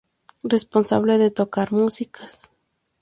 Responsable de tocar músicas.